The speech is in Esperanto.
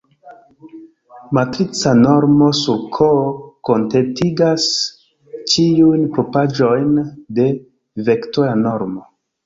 Matrica normo sur "K" kontentigas ĉiujn propraĵojn de vektora normo.